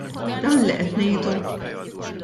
Dan li qed ngħidu?